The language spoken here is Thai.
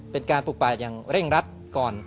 เป็นการปลูกป่าอย่างเร่งรัดก่อน